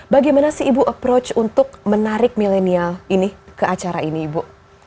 bagaimana sih ibu approach untuk menarik milenial ini ke acara ini ibu